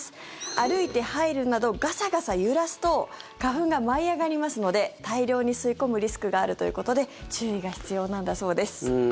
歩いて入るなどガサガサ揺らすと花粉が舞い上がりますので大量に吸い込むリスクがあるということで注意が必要なんだそうです。